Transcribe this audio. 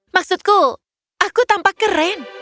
maksudku aku tampak keren